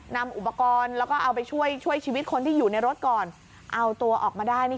นำอุปกรณ์แล้วก็เอาไปช่วยช่วยชีวิตคนที่อยู่ในรถก่อนเอาตัวออกมาได้นี่